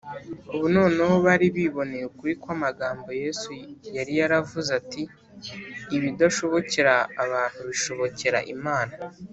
ubu noneho bari biboneye ukuri kw’amagambo yesu yari yaravuze ati: “ibidashobokera abantu bishobokera imana